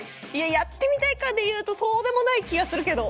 やってみたいかで言うとそうでもない気がするけど。